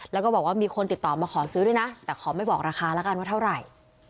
แล้วก็บอกว่ามีคนติดต่อมาขอซื้อด้วยนะแต่ขอไม่บอกราคาแล้วกันว่าเท่าไหร่